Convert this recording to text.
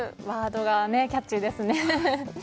ワードがキャッチーですね。